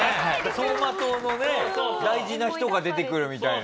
走馬灯のね大事な人が出てくるみたいな。